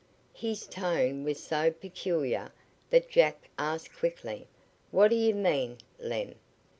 His tone was so peculiar that Jack asked quickly: "What do you mean, Lem?"